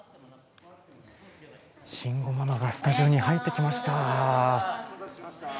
慎吾ママがスタジオに入ってきました。